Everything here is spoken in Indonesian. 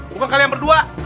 bukan kalian berdua